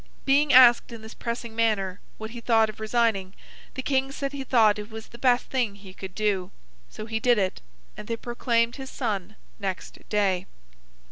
Being asked in this pressing manner what he thought of resigning, the King said he thought it was the best thing he could do. So, he did it, and they proclaimed his son next day.